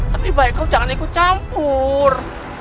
tapi baik kau jangan ikut campur